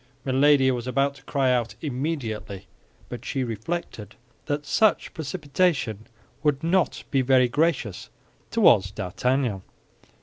Milady was about to cry out, "Immediately," but she reflected that such precipitation would not be very gracious toward D'Artagnan.